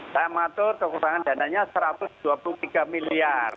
saya matur kekurangan dana nya satu ratus dua puluh tiga miliar